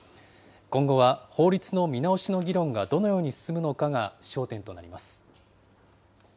今後は法律の見直しの議論がどのように進むのかが焦点となります。